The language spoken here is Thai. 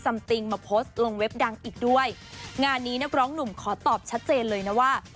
ติงมาโพสต์ลงเว็บดังอีกด้วยงานนี้นักร้องหนุ่มขอตอบชัดเจนเลยนะว่า